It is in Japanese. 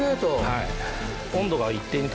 はい。